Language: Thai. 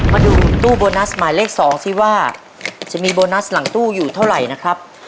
มาดูตู้โบนัสหมายเลข๒สิว่าจะมีโบนัสหลังตู้อยู่เท่าไหร่นะครับ